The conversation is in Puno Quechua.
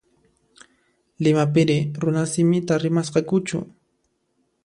Limapiri runasimita rimasqakuchu?